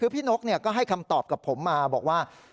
พี่นกก็ให้คำตอบกับผมมาบอกว่า